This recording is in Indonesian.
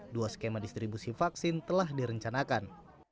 dua skema distribusi vaksin telah direncanakan